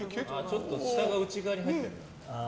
ちょっと下が内側に入ってる。